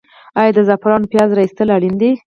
آیا د زعفرانو پیاز را ایستل اړین دي؟